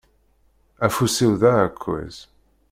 Afus-iw d aεekkaz.